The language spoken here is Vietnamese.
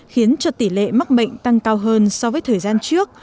khiến cho tỷ lệ mắc bệnh tăng cao hơn so với thời gian trước